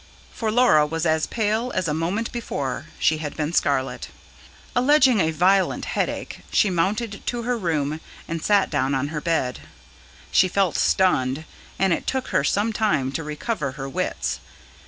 For Laura was as pale as a moment before she had been scarlet. Alleging a violent headache, she mounted to her room, and sat down on her bed. She felt stunned, and it took her some time to recover her wits.